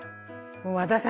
和田さん